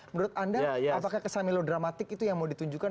menurut anda apakah kesan melodramatik itu yang mau ditunjukkan